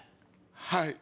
はい。